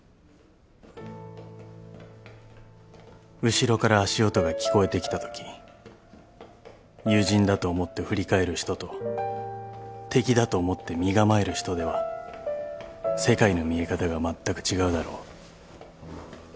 ［後ろから足音が聞こえてきたとき友人だと思って振り返る人と敵だと思って身構える人では世界の見え方がまったく違うだろう］